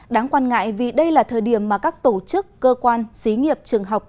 đáng quan ngại vì đây là thời điểm mà các tổ chức cơ quan xí nghiệp trường học